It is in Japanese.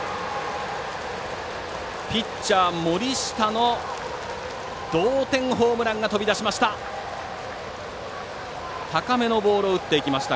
ピッチャー、森下の同点ホームランが飛び出しました。